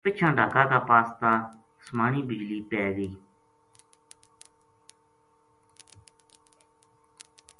پِچھاں ڈھاکا کا پاس تا اسمانی بجلی پے گئی